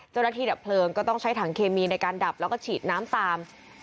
ดับเพลิงก็ต้องใช้ถังเคมีในการดับแล้วก็ฉีดน้ำตาม